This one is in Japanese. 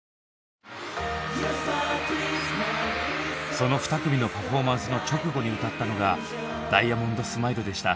その２組のパフォーマンスの直後に歌ったのが「ダイヤモンドスマイル」でした。